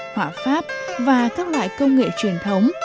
họa pháp và các loại công nghệ truyền thống